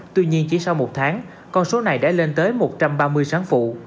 tuy nhiên chỉ sau một tháng con số này đã lên tới một trăm ba mươi sáng phụ